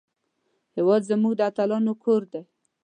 هېواد زموږ د اتلانو کور دی